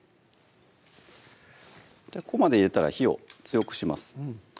ここまで入れたら火を強くします